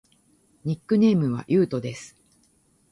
ニックネームはゆうとです。